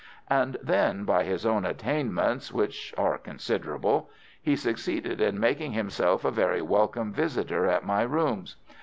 And then, by his own attainments, which are considerable, he succeeded in making himself a very welcome visitor at my rooms.